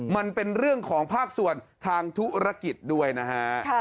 มันเป็นเรื่องของภาคส่วนทางธุรกิจด้วยนะฮะ